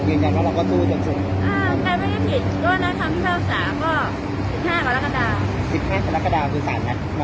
ไม่ได้ติดเว้นแล้วคำพิชาสาก็สิบห้ากว่าลักษณะ